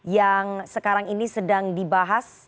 yang sekarang ini sedang dibahas